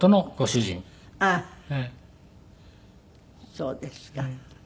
ああそうですか。